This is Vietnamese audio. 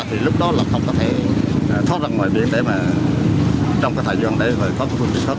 thì lúc đó là không có thể thoát ra ngoài biển để mà trong cái thời gian để có phương tiện thoát là đến trung cương